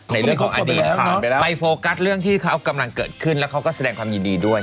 ในเรื่องของอดีตผ่านไปแล้วไปโฟกัสเรื่องที่เขากำลังเกิดขึ้นแล้วเขาก็แสดงความยินดีด้วย